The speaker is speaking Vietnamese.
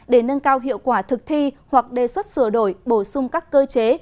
để nâng cao hiệu quả thực thi hoặc đề xuất sửa đổi bổ sung các cơ chế